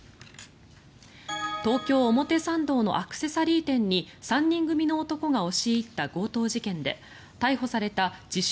東京・表参道のアクセサリー店に３人組の男が押し入った強盗事件で逮捕された自称・